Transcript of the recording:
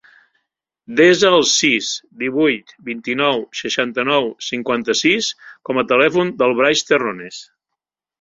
Desa el sis, divuit, vint-i-nou, seixanta-nou, cinquanta-sis com a telèfon del Brais Terrones.